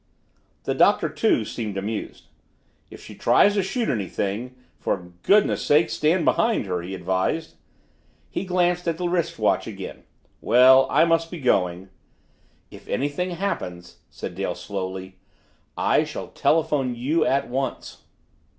The Doctor, too, seemed amused. "If she tries to shoot anything for goodness' sake stand behind her!" he advised. He glanced at the wrist watch again. "Well I must be going " "If anything happens," said Dale slowly, "I shall telephone you at once."